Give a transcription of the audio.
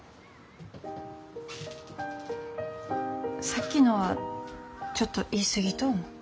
さっきのはちょっと言い過ぎと思う。